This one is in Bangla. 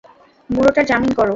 বুড়োটার জামিন করো।